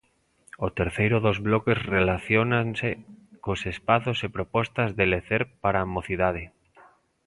O terceiro dos bloques relacionase cos espazos e propostas de lecer para a mocidade.